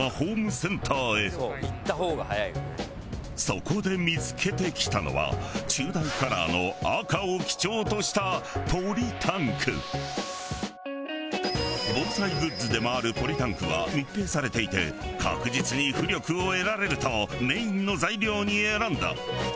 そこで見つけてきたのは中大カラーの赤を基調とした防災グッズでもあるポリタンクは密閉されていて確実に浮力を得られるとメインの材料に選んだ。